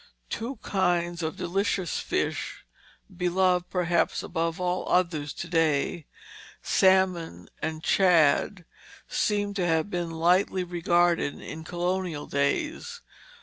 Two kinds of delicious fish, beloved, perhaps, above all others to day, salmon and shad, seem to have been lightly regarded in colonial days.